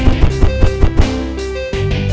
nazar di gunung